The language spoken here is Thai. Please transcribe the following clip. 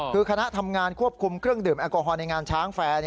คือคณะทำงานควบคุมเครื่องดื่มแอลกอฮอลในงานช้างแฟร์